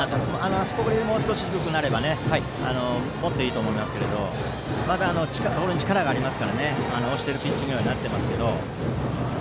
あそこよりもう少し低くなればもっといいと思いますけどまだボールに力がありますから押しているピッチングにはなっていますけど。